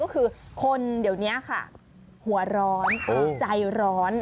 ก็คือคนเดี๋ยวนี้ค่ะหัวร้อนใจร้อน